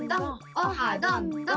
オハどんどん！